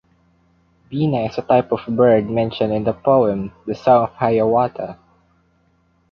Bena is a type of bird mentioned in the poem "The Song of Hiawatha".